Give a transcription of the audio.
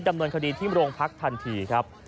ดำเนินคดีที่โรงพักทันทีครับ